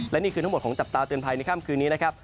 และนี่คือทั้งหมดของจับตาเตือนภัยในค่ำคืนนี้นะครับ